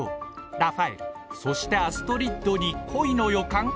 ラファエルそしてアストリッドに恋の予感？